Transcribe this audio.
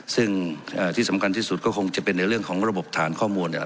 ซึ่งที่สำคัญที่สุดก็คงจะเป็นในเรื่องของระบบฐานข้อมูลเนี่ย